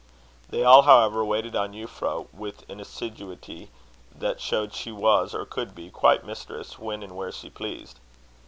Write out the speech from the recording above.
They all, however, waited on Euphra with an assiduity that showed she was, or could be, quite mistress when and where she pleased.